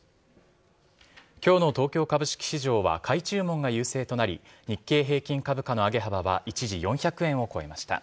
きょうの東京株式市場は買い注文が優勢となり、日経平均株価の上げ幅は一時、４００円を超えました。